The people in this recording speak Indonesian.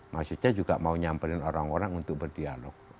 maksudnya juga mau nyamperin orang orang untuk berdialog